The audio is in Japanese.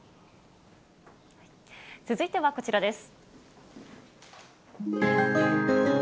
続いてはこちらです。